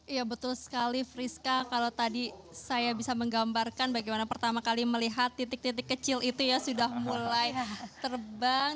iya betul sekali friska kalau tadi saya bisa menggambarkan bagaimana pertama kali melihat titik titik kecil itu ya sudah mulai terbang